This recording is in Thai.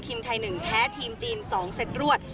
ทีมไทย๑แพ้ทีมจีน๒เซตรวด